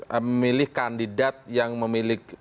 memilih kandidat yang memiliki